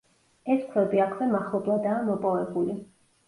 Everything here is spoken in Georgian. ეს ქვები აქვე მახლობლადაა მოპოვებული.